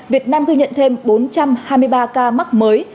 việt nam ghi nhận thêm bốn trăm hai mươi ba ca mắc mới